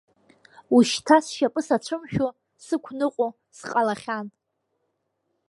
Ушьҭа сшьапы сацәымшәо сықәныҟәо сҟалахьан.